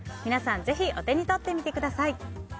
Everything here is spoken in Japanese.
皆さんぜひお手に取ってみてください。